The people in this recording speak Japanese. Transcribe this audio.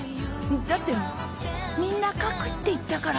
だってみんな書くって言ったから。